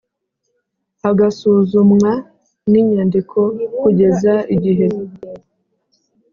hagasuzumwa n inyandiko kugeza igihe